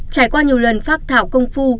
trải qua nhiều lần phát thảo công phu